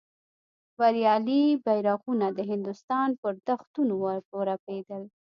بریالي بیرغونه د هندوستان پر دښتونو ورپېدل.